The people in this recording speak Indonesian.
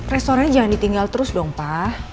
restorannya jangan ditinggal terus dong pa